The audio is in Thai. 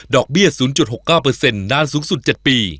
เบี้ย๐๖๙นานสูงสุด๗ปี